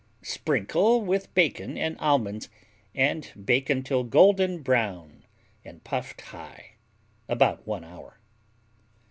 Sprinkle with bacon and almonds and bake until golden brown and puffed high (about 1 hour).